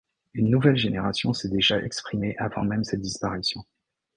Une nouvelle génération s'est déjà exprimée avant même cette disparition.